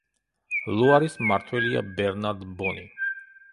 ლუარის მმართველია ბერნარდ ბონი.